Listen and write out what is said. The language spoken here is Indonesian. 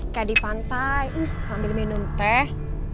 kayak di pantai sambil minum teh